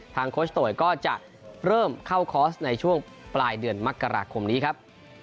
โคชโตยก็จะเริ่มเข้าคอร์สในช่วงปลายเดือนมกราคมนี้ครับ